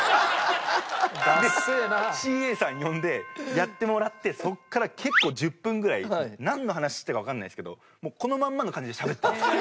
ダセえな。でＣＡさん呼んでやってもらってそこから結構１０分ぐらいなんの話してるかわかんないですけどもうこのまんまの感じでしゃべってました。